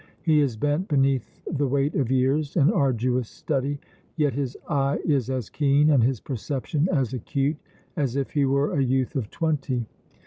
He is bent beneath the weight of years and arduous study, yet his eye is as keen and his perception as acute as if he were a youth of twenty.